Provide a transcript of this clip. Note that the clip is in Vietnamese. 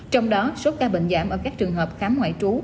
trong đó số ca bệnh giảm ở các trường hợp khám ngoại trú